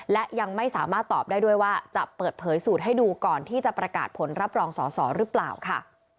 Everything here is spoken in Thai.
และยังไม่สามารถตอบได้ด้วยว่าจะเปิดเผยสูตรให้ดูก่อนที่จะประกาศผลรับรองสอสอหรือเปล่าค่ะ